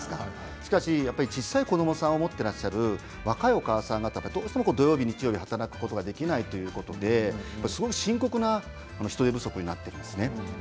しかし小さい子どもさんを持っていらっしゃる若いお母さん方はどうしても土曜日、日曜日働くことができないということですごく深刻な人手不足になっているんです。